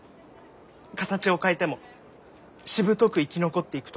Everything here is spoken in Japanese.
形を変えてもしぶとく生き残っていくところ。